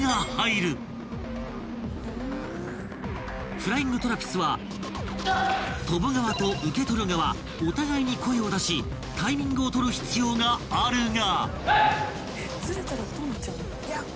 ［フライング・トラピスは飛ぶ側と受け取る側お互いに声を出しタイミングを取る必要があるが］